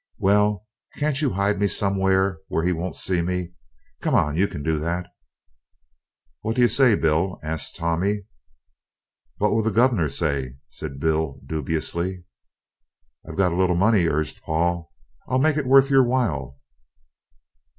"Well, can't you hide me somewhere where he won't see me? Come, you can do that?" "What do you say, Bill?" asked Tommy. "What'll the Guv'nor say?" said Bill dubiously. "I've got a little money," urged Paul. "I'll make it worth your while."